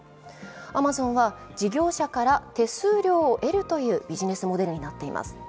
アマゾンは事業者から手数料をえるというビジネスモデルになっています。